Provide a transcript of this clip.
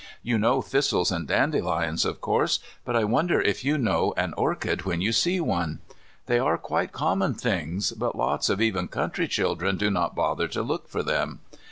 You know thistles and dandelions, of course, but I wonder if you know an orchid when you see one? They are quite common things, but lots of even country children do not bother to look for them.